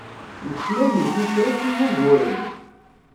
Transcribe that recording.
Nettnadi tifrat i wuguren.